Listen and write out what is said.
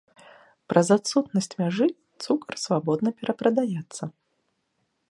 Праз адсутнасць мяжы цукар свабодна перапрадаецца.